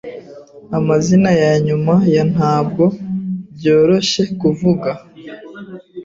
Amazina yanyuma ya ntabwo byoroshye kuvuga.